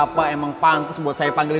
kenapa display lagi